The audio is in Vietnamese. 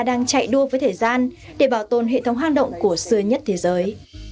đang chạy đua với thời gian để bảo tồn hệ thống hang động của xưa nhất thế giới